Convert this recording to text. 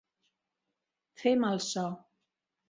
Fer mal so.